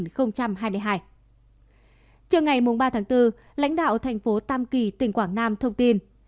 trước ngày ba bốn lãnh đạo thành phố tam kỳ tỉnh quảng nam thông tin